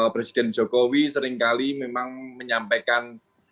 presiden jokowi seringkali memang menyampaikan